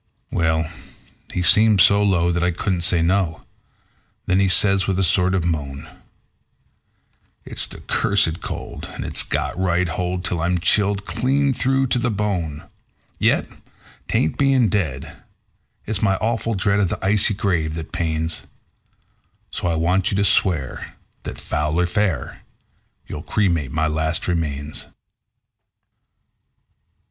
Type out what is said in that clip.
Well, he seemed so low that I couldn't say no; then he says with a sort of moan: "It's the cursed cold, and it's got right hold till I'm chilled clean through to the bone. Yet 'tain't being dead it's my awful dread of the icy grave that pains; So I want you to swear that, foul or fair, you'll cremate my last remains."